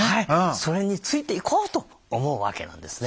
それについていこうと思うわけなんですね。